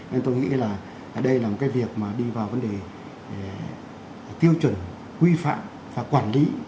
nên tôi nghĩ là đây là một cái việc mà đi vào vấn đề tiêu chuẩn quy phạm và quản lý